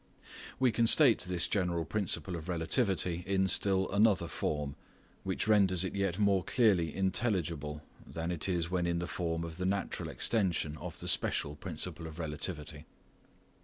We can state this general principle of relativity in still another form, which renders it yet more clearly intelligible than it is when in the form of the natural extension of the special principle of relativity.